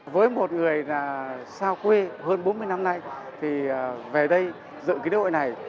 với một người là xa quê hơn bốn mươi năm nay thì về đây dựng cái lễ hội này